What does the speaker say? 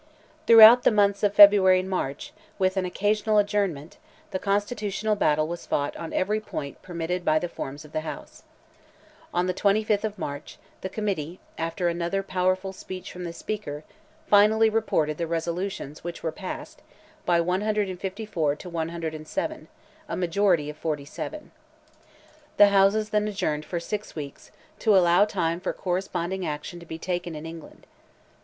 Throughout the months of February and March, with an occasional adjournment, the Constitutional battle was fought on every point permitted by the forms of the House. On the 25th of March, the Committee, after another powerful speech from the Speaker, finally reported the resolutions which were passed by 154 to 107—a majority of 47. The Houses then adjourned for six weeks, to allow time for corresponding action to be taken in England.